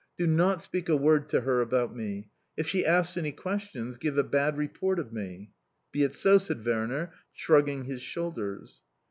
Do not speak a word to her about me; if she asks any questions, give a bad report of me." "Be it so!" said Werner, shrugging his shoulders.